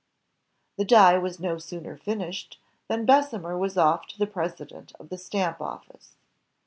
The die was no sooner finished, than Bessemer was off to the president of the Stamp Office.